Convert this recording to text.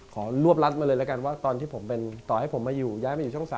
ขอรวบรัดมาเลยแล้วกันว่าตอนที่ผมเป็นต่อให้ผมมาอยู่ย้ายมาอยู่ช่อง๓